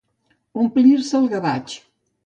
Omplir-se el gavatx.